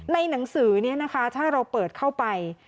ในหนังสือนี้นะคะถ้าเราเปิดเข้าไป